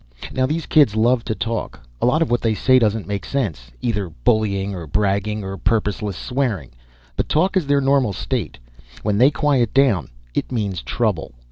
Now, these kids love to talk. A lot of what they say doesn't make sense either bullying, or bragging, or purposeless swearing but talk is their normal state; when they quiet down it means trouble.